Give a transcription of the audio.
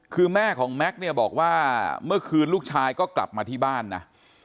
คือแม่ของแม็กซ์เนี่ยบอกว่าเมื่อคืนลูกชายก็กลับมาที่บ้านนะ